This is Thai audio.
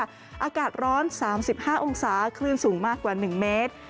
อากาศร้อน๓๕องศาคลื่นสูงมากกว่า๑เมตร